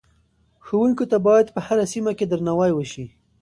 ښوونکو ته باید په هره سیمه کې درناوی وشي.